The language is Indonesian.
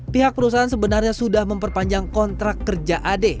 pihak perusahaan sebenarnya sudah memperpanjang kontrak kerja ad